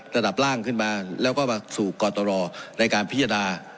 ระดับล่างขึ้นมาแล้วก็มาสู่กตรในการพิจารณา